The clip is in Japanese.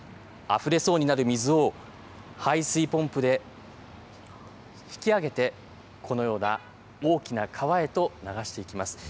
あふれそうになる水を排水ポンプで引き上げて、このような大きな川へと流していきます。